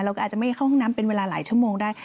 เราก็อาจจะไม่เข้าห้องน้ำเป็นเวลาหลายชั่วโมงได้